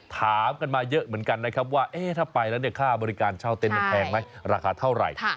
ถามกันมาเยอะเหมือนกันนะครับว่าถ้าไปแล้วเนี่ยค่าบริการเช่าเต็นมันแพงไหมราคาเท่าไหร่